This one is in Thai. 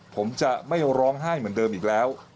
ผมจะไม่ร้องไห้เหมือนเดิมอีกแล้ว